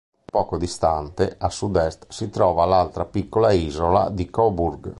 Poco distante, a sud-est si trova l'altra piccola isola di Coburg.